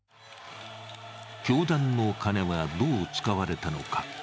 教団の金はどう使われたのか。